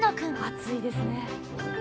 熱いですね。